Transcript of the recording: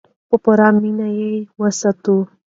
په پوره مینه یې وساتو.